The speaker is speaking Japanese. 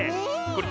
これ。